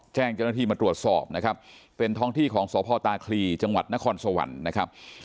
แจ้งเจ้าหน้าที่มาตรวจสอบนะครับเป็นท้องที่ของสพตาคลีจังหวัดนครสวรรค์นะครับ